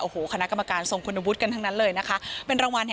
โอ้โหคณะกรรมการทรงคุณบุตรกันทั้งนั้นเลยนะคะ